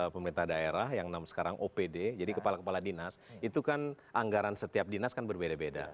pemerintah daerah yang sekarang opd jadi kepala kepala dinas itu kan anggaran setiap dinas kan berbeda beda